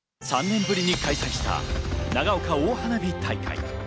３年ぶりに開催した長岡大花火大会。